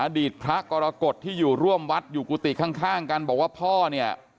อดีตพระกรกฎที่อยู่ร่วมวัดอยู่กุฏิข้างกันบอกว่าพ่อเนี่ย